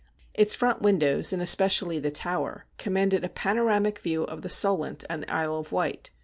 Its front windows, and especially the tower, commanded a pano ramic view of the Solent and the Isle of Wight.